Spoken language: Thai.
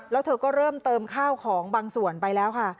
แล้วเธอก็เริ่มเติมข้าวของบางส่วนไปแล้วค่ะ